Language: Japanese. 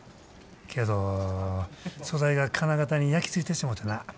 けど素材が金型に焼き付いてしもてな。